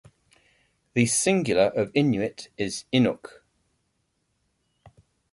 The singular of Inuit is Inuk.